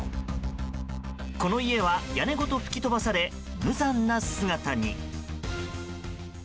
この家は、屋根ごと吹き飛ばされ無残な姿に。